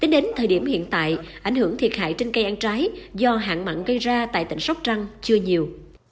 đến thời điểm hiện tại ảnh hưởng thiệt hại trên cây ăn trái do hạn mặn gây ra sốc răng chưa nhiều